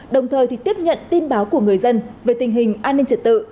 đồng thời tiếp nhận tin báo của người dân về tình hình an ninh trật tự